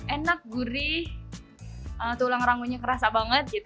enak gurih tulang rangunya kerasa banget gitu